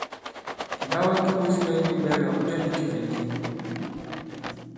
Kìɓawa ki ɓōs wɛ i nyū ɓɛ̄ɛlà ɔ̀ jɔ ndī kifɛ̀nji?